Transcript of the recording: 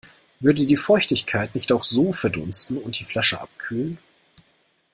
Würde die Feuchtigkeit nicht auch so verdunsten und die Flasche abkühlen?